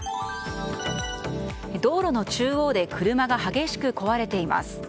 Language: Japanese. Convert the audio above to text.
道路の中央で車が激しく壊れています。